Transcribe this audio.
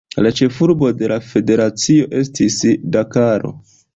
La ĉefurbo de la federacio estis Dakaro.